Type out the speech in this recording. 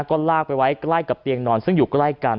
ก็ลากไปไว้ใกล้กับเตียงนอนซึ่งอยู่ใกล้กัน